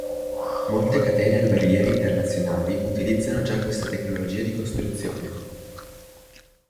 Molte catene alberghiere internazionali utilizzano già questa tecnologia di costruzione.